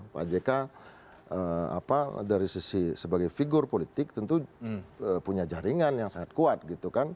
pak jk dari sisi sebagai figur politik tentu punya jaringan yang sangat kuat